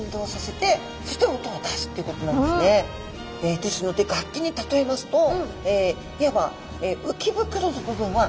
ですので楽器に例えますといわば鰾の部分はドラム。